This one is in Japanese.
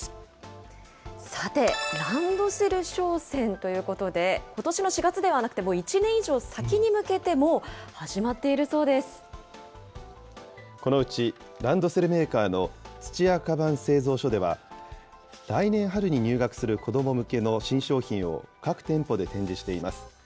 さて、ランドセル商戦ということで、ことしの４月ではなくて、もう１年以上先に向けて、もう始このうち、ランドセルメーカーの土屋鞄製造所では、来年春に入学する子ども向けの新商品を、各店舗で展示しています。